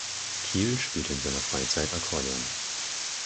Kiehl spielte in seiner Freizeit Akkordeon.